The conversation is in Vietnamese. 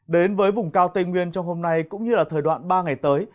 đến với vùng cao tây nguyên trong hôm nay cũng như là thời đoạn ba ngày tới